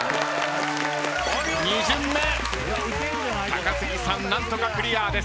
２巡目高杉さん何とかクリアです。